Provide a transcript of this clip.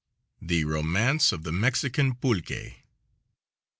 THE ROMANCE OF THE MEXICAN PULQUE.